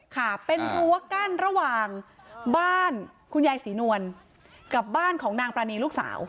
ค่ะเป็นรั้วกั้นระหว่างบ้านคุณยายศรีนวลกับบ้านของนางปรานีลูกสาว